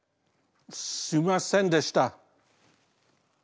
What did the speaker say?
すみませんでした。